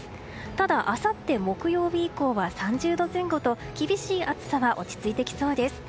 ただ、あさって木曜日以降は３０度前後と厳しい暑さは落ち着いてきそうです。